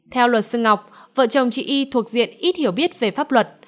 theo luật sư ngọc vợ chồng chị y thuộc diện ít hiểu biết về pháp luật